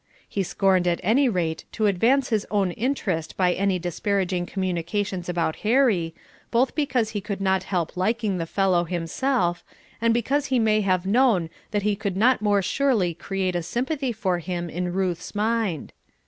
He scorned at any rate to advance his own interest by any disparaging communications about Harry, both because he could not help liking the fellow himself, and because he may have known that he could not more surely create a sympathy for him in Ruth's mind.